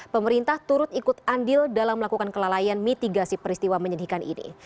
pemerintah turut ikut andil dalam melakukan kelalaian mitigasi peristiwa menyedihkan ini